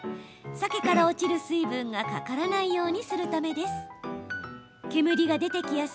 サケから落ちる水分がかからないようにするためです。